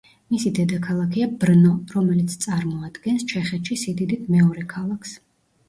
მისი დედაქალაქია ბრნო, რომელიც წარმოადგენს ჩეხეთში სიდიდით მეორე ქალაქს.